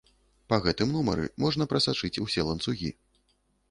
Па гэтым нумары можна прасачыць усе ланцугі.